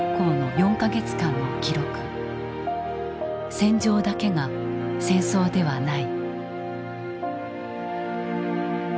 戦場だけが戦争ではない。